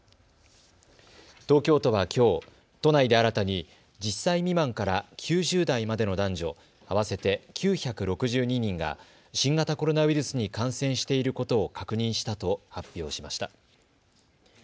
東京都はきょう、都内で新たに１０歳未満から９０代までの男女合わせて９６２人が新型コロナウイルスに感染していることを確認したと発表しました。